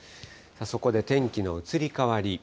そこで天気の移り変わり。